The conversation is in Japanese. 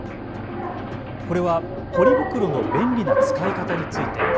これはポリ袋の便利な使い方について。